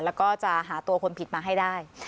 แล้วก็จะหาตัวคนผิดมาให้ได้